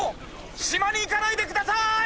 しまにいかないでください！